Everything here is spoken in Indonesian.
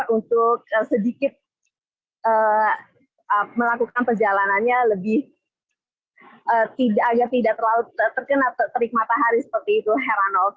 untuk sedikit melakukan perjalanannya lebih tidak tidak tidak terkena petrik matahari terpitu heran of